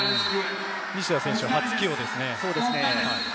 西田選手は初起用ですね。